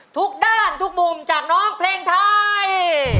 ทุกด้านทุกมุมจากน้องเพลงไทย